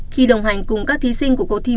khi đồng hành cùng các thí sinh của cuộc thi